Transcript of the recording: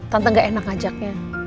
tante gak enak ngajaknya